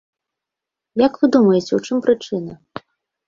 Як вы думаеце, у чым прычына?